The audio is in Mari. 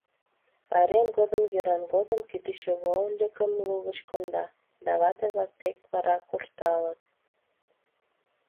Пайрем годым, йӱран годым, кӱтӱчӧ вольыкым лугыч конда, да вате-влак тек вара куржталыт!